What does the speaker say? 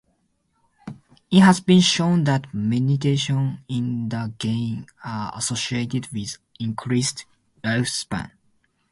It has been shown that mutations in the gene are associated with increased lifespan.